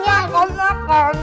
makan makan makan